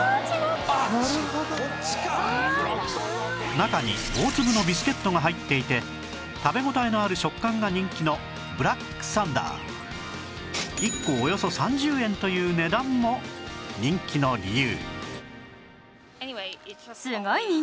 中に大粒のビスケットが入っていて食べ応えのある食感が人気の１個およそ３０円という値段も人気の理由